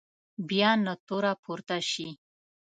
بیا نه توره پورته شي.